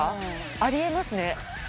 ありえますね。